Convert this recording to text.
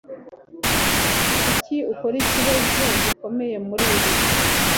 Kuki ukora ikibazo gikomeye muri ibi?